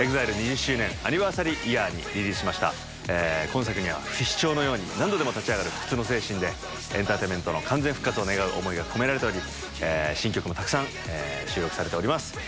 ＥＸＩＬＥ２０周年アニバーサリーイヤーにリリースしました今作には不死鳥のように何度でも立ち上がる不屈の精神でエンターテインメントの完全復活を願う思いが込められており新曲もたくさん収録されております。